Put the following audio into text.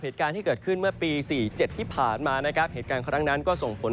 เหตุการณ์ที่เกิดขึ้นเมื่อปี๔๗ที่ผ่านมานะครับเหตุการณ์ครั้งนั้นก็ส่งผล